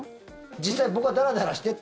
実際僕はダラダラしてて。